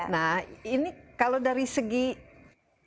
nah ini kalau dari segi ke